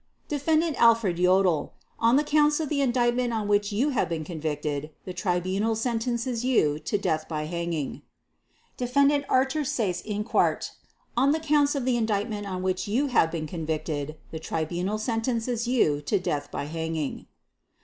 "Defendant Alfred Jodl, on the Counts of the Indictment on which you have been convicted, the Tribunal sentences you to death by hanging. "Defendant Arthur Seyss Inquart, on the Counts of the Indictment on which you have been convicted, the Tribunal sentences you to death by hanging.